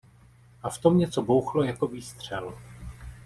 A vtom něco bouchlo jako výstřel.